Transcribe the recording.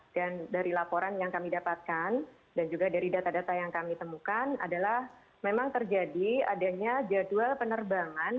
dan dari laporan yang kami dapatkan dan juga dari data data yang kami temukan adalah memang terjadi adanya jadwal penerbangan